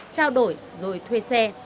trao đổi rồi thuê xe